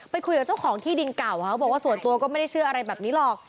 คุยกับเจ้าของที่ดินเก่าเขาบอกว่าส่วนตัวก็ไม่ได้เชื่ออะไรแบบนี้หรอก